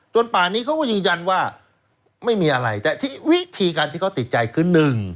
ป่านี้เขาก็ยืนยันว่าไม่มีอะไรแต่ที่วิธีการที่เขาติดใจคือหนึ่ง